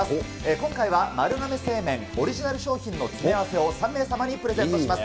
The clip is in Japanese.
今回は丸亀製麺オリジナル商品の詰め合わせを３名様にプレゼントします。